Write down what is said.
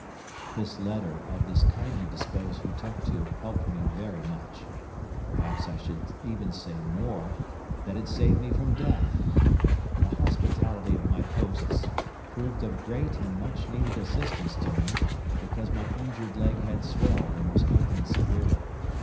This letter of this kindly disposed Hutuktu helped me very much perhaps I should even say more, that it saved me from death. The hospitality of my hosts proved of great and much needed assistance to me because my injured leg had swelled and was aching severely.